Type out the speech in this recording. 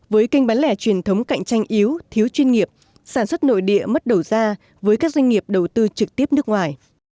với kênh bán lẻ truyền thống cạnh tranh yếu thiếu chuyên nghiệp sản xuất nội địa mất đầu ra với các doanh nghiệp đầu tư trực tiếp nước ngoài